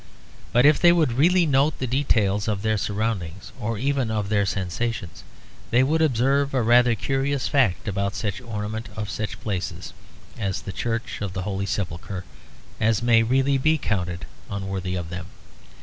But if they would really note the details of their surroundings, or even of their sensations, they would observe a rather curious fact about such ornament of such places as the Church of the Holy Sepulchre as may really be counted unworthy of them.